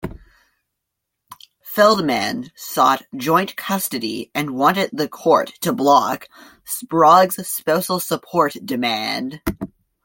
Feldman sought joint custody and wanted the court to block Sprague's spousal support demand.